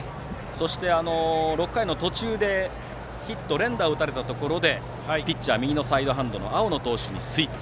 そして、６回の途中でヒット、連打を打たれたところでピッチャーを右のサイドハンドの青野投手にスイッチ。